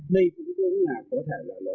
đây cũng có thể gọi là